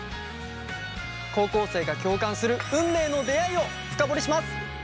高校生が共感する運命の出会いを深掘りします。